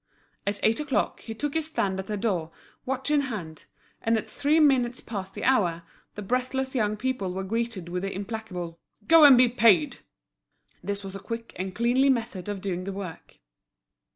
At eight o'clock, he took his stand at the door, watch in hand; and at three minutes past the hour, the breathless young people were greeted with the implacable "Go and be paid!" This was a quick and cleanly method of doing the work.